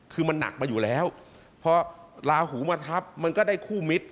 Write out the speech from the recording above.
คือมันหนักมาอยู่แล้วพอลาหูมาทับมันก็ได้คู่มิตร